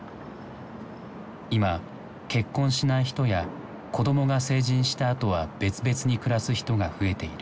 今結婚しない人や子どもが成人したあとは別々に暮らす人が増えている。